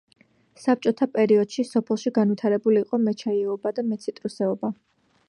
საბჭოტა პერიოდში სოფელში განვითარებული იყო მეჩაიეობა და მეციტრუსეობა.